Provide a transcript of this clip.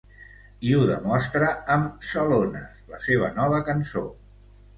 I ho demostra amb ‘Salones’, la seva nova cançó.